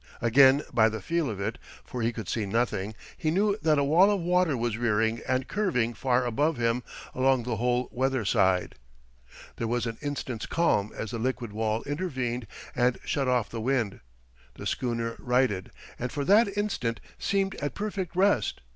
Again by the feel of it, for he could see nothing, he knew that a wall of water was rearing and curving far above him along the whole weather side. There was an instant's calm as the liquid wall intervened and shut off the wind. The schooner righted, and for that instant seemed at perfect rest.